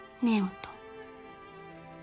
音